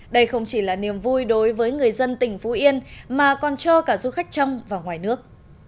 đây không chỉ là niềm vui đối với người dân tỉnh phú yên mà còn cho cả du khách trong và ngoài nước